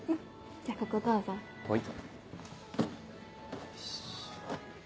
じゃあここどうぞ。はい。